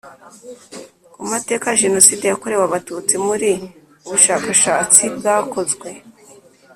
ku mateka ya Jenoside yakorewe Abatutsi muri Ubushakashatsi bwakozwe